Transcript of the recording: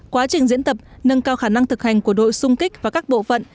quá trình diễn tập nâng cao khả năng thực hành của đội sung kích và các bộ phận